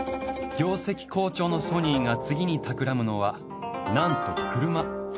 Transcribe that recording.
業績好調のソニーが次にたくらむのはなんと車。